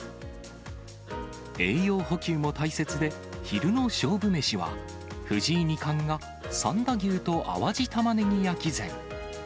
栄養補給も大切で、昼の勝負メシは、藤井二冠が三田牛と淡路玉葱焼き膳。